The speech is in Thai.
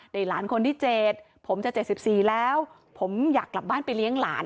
หลานคนที่๗ผมจะ๗๔แล้วผมอยากกลับบ้านไปเลี้ยงหลาน